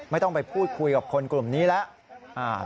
ไม่ต้องไปพูดคุยกับคนกลุ่มนี้แล้ว